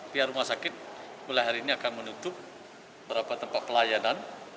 pihak rumah sakit mulai hari ini akan menutup beberapa tempat pelayanan